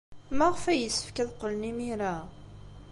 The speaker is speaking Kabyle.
Maɣef ay yessefk ad qqlen imir-a?